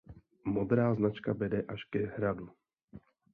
Modrá značka vede až ke hradu.